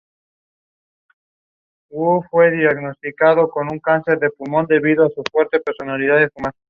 Se realiza todos los años en el marco de la Feria de Albacete.